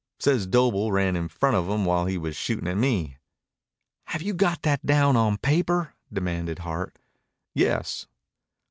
Says Doble ran in front of him while he was shooting at me." "Have you got that down on paper?" demanded Hart. "Yes."